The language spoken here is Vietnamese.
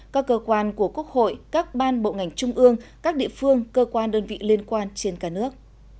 các cơ quan của quốc hội các ban bộ ngành trung ương các địa phương cơ quan đơn vị liên quan trên cả nước